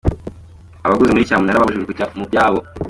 Abaguze muri cyamunara babujijwe kujya mu byabo.